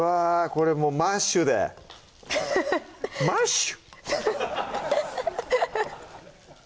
これもうマッシュでマッシュ！